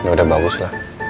udah bagus lah